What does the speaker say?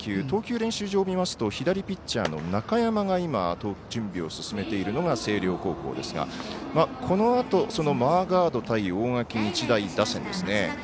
投球練習場を見ますと左ピッチャーの中山が準備を進めているのが星稜高校ですが、このあとマーガード対大垣日大打線ですね。